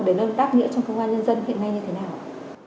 để nâng đáp nghĩa trong công an nhân dân hiện nay như thế nào